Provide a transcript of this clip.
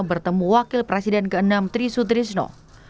bertemu wakil presiden ke enam trisut trisno